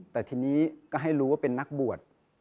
แต่ทีนี้ก็ให้รู้ว่าเป็นนักบวช